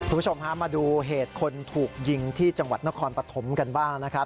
คุณผู้ชมฮะมาดูเหตุคนถูกยิงที่จังหวัดนครปฐมกันบ้างนะครับ